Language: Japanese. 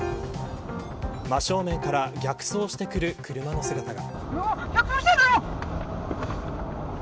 真正面から逆走してくる車の姿が。